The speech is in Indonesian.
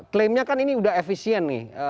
klaimnya kan ini udah efisien nih